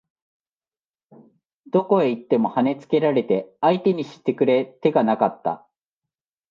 どこへ行っても跳ね付けられて相手にしてくれ手がなかった